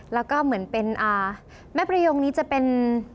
แล้วก็เหมือนเป็นแม่ประยงนี้จะเป็น